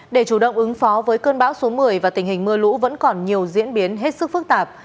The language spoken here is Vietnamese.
để chủ động ứng phó với cơn bão số một mươi và tình hình mưa lũ vẫn còn nhiều diễn biến hết sức phức tạp